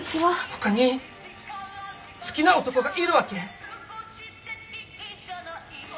ほかに好きな男がいるわけ？